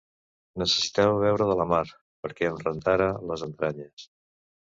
Necessitava beure de la mar, perquè em rentara les entranyes.